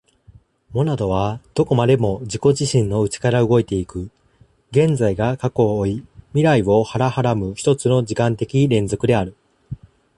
モナドはどこまでも自己自身の内から動いて行く、現在が過去を負い未来を孕はらむ一つの時間的連続である。